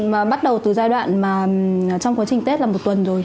mà bắt đầu từ giai đoạn mà trong quá trình tết là một tuần rồi